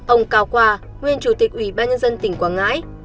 ông cao khoa nguyên chủ tịch ủy ba nhân dân tỉnh quảng ngãi